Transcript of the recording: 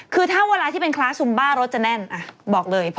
คือถ้าเวลาที่เป็นคลาสซุมบ้ารถจะแน่นบอกเลย